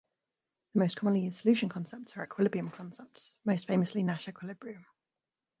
The most commonly used solution concepts are equilibrium concepts, most famously Nash equilibrium.